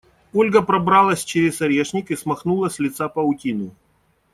Ольга пробралась через орешник и смахнула с лица паутину.